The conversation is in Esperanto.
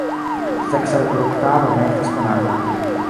Seksa reproduktado ne estas konata.